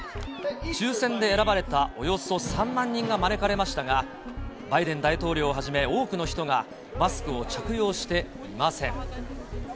抽せんで選ばれたおよそ３万人が招かれましたが、バイデン大統領をはじめ、多くの人がマスクを着用していません。